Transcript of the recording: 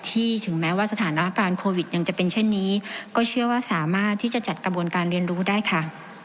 ถึงแม้ว่าสถานการณ์โควิดยังจะเป็นเช่นนี้ก็เชื่อว่าสามารถที่จะจัดกระบวนการเรียนรู้ได้ค่ะ